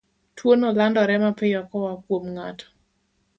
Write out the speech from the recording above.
Tuwono landore mapiyo koa kuom ng'ato